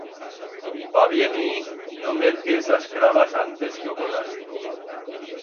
Pa bien ir no merques as crabas antes que o corral.